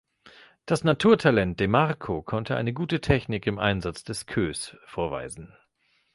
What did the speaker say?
Das „Naturtalent“ Demarco konnte eine gute Technik im Einsatz des Queues vorweisen.